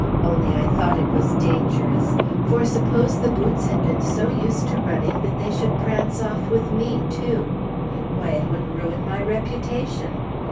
Only I thought it was dangerous; for suppose the boots had been so used to running that they should prance off with me, too? Why, it would ruin my reputation!